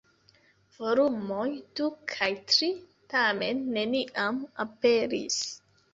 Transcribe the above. Volumoj du kaj tri, tamen, neniam aperis.